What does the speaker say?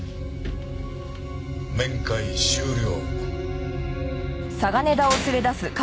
面会終了。